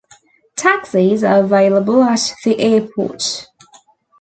Taxis are available at the airport.